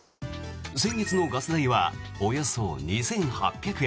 先月のガス代はおよそ２８００円。